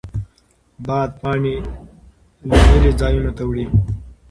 باد پاڼې لرې ځایونو ته وړي.